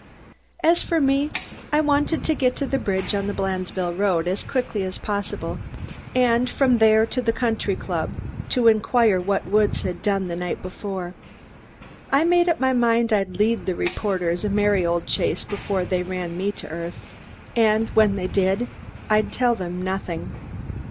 As for me, I wanted to get to the bridge on the Blandesville Road as quickly as possible and from there to the country club to inquire what Woods had done the night before. I made up my mind I'd lead the reporters a merry old chase before they ran me to earth, and when they did, I'd tell them nothing.